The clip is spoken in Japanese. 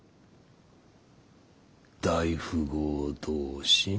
大富豪同心。